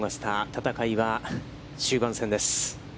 戦いは終盤戦です。